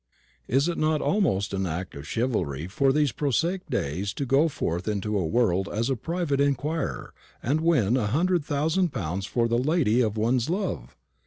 Is it not almost an act of chivalry for these prosaic days to go forth into the world as a private inquirer, and win a hundred thousand pounds for the lady of one's love?